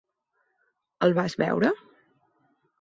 El vas veure?